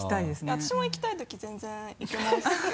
私も行きたいとき全然行きますけどね。